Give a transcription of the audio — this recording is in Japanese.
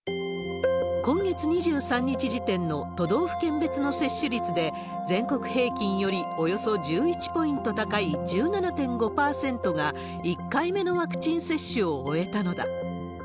今月２３日時点の都道府県別の接種率で、全国平均よりおよそ１１ポイント高い１７．５％が１回目のワクチン接種を終えたのだ。